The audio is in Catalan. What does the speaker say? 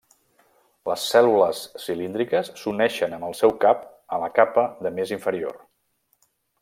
Les cèl·lules cilíndriques s'uneixen amb el seu cap a la capa de més inferior.